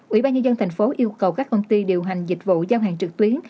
ủy ban nhân dân tp hcm yêu cầu các công ty điều hành dịch vụ giao hàng trực tuyến